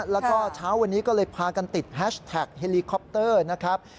แล้วก็เช้าวันนี้ก็เลยพากันติดแฮชแท็กเฮลีคอปเตอร์นะครับ